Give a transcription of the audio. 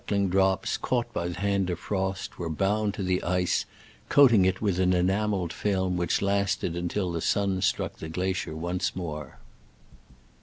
139 ling drops, caught by the hand of frost, were bound to the ice, coating it with an enameled film which lasted until the sun struck the glacier once more.